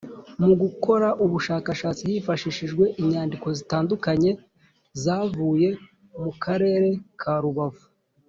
Mu gukora ubushakashatsi hifashishijwe inyandiko zitandukanye zavuye mu karere ka rubavu